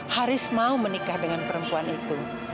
haris mau menikah dengan perempuan itu